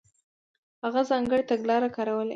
هغه ځانګړې تګلارې کارولې.